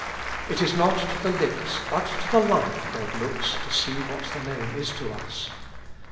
It is not to the lips, but to the life God looks to see what the Name is to us.